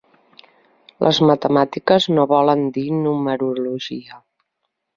Les matemàtiques no volen dir numerologia.